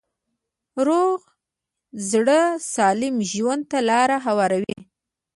روغ زړه سالم ژوند ته لاره هواروي.